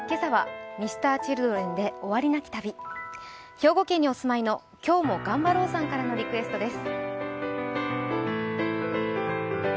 兵庫県にお住まいの今日も頑張ろうさんからのリクエストです。